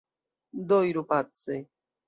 Do iru pace!